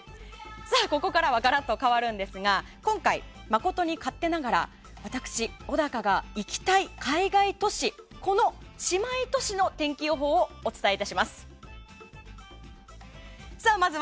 ここからはガラッと変わるんですが今回、誠に勝手ながら私、小高が行きたい海外都市の姉妹都市天気予報をお伝え致します。